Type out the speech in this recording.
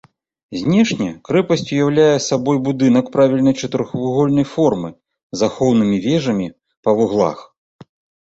Знешне крэпасць уяўляе сабой будынак правільнай чатырохвугольнай формы з ахоўнымі вежамі па вуглах.